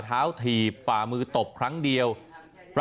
ขอบคุณครับ